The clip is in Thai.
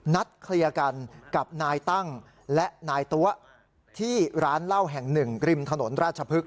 นัดเคลียร์กันกับนายตั้งและนายตั๊วที่ร้านเหล้าแห่งหนึ่งริมถนนราชพฤกษ